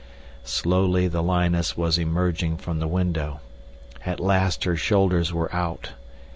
Slowly the lioness was emerging from the window. At last her shoulders were out.